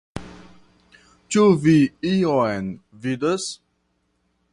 Ĉu vi ion vidas?